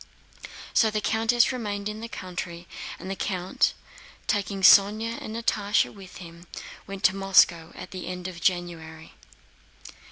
So the countess remained in the country, and the count, taking Sónya and Natásha with him, went to Moscow at the end of January.